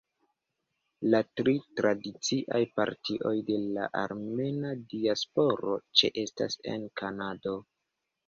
La tri tradiciaj partioj de la armena diasporo ĉeestas en Kanado.